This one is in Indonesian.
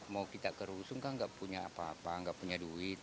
mau kita ke rusung kan gak punya apa apa gak punya duit